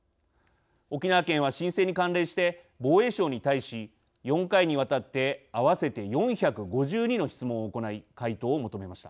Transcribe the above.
沖縄県は申請に関連して防衛省に対し４回に渡って合わせて４５２の質問を行い回答を求めました。